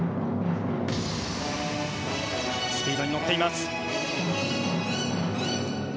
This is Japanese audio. スピードに乗っています。